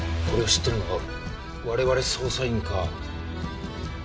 これを知ってるのは我々捜査員か。